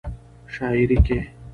شاعرۍ کې